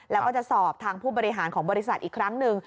แล้วก็จะสอบทางผู้บริหารของบริษัทอีกครั้งหนึ่ง